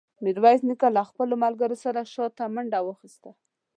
میرویس نیکه له خپلو ملګرو سره شاته منډه واخیسته.